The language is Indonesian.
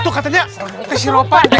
itu katanya keshiropan